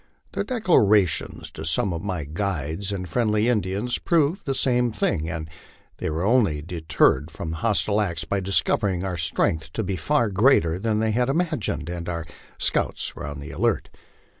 Their declara tions to some of my guides and friendly Indians proved the same thing, and they were only deterred from hostile acts by discovering our strength to be far greater than they had imagined, and our scouts on the alert.